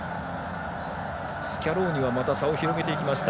スキャローニは差を広げていきました。